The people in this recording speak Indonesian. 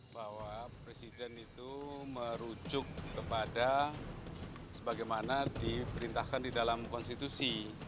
bahwa presiden itu merujuk kepada sebagaimana diperintahkan di dalam konstitusi